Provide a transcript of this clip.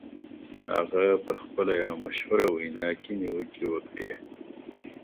هغه په خپله یوه مشهوره وینا کې نیوکې وکړې